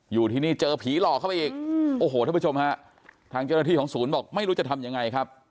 อยู่ที่นี่เจอผีหลอกเข้าไปอีกโอ้โหท่านผู้ชมฮะทางเจ้าหน้าที่ของศูนย์บอกไม่รู้จะทำยังไงครับ